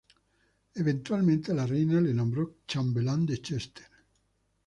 Eventualmente, la reina le nombró chambelán de Chester.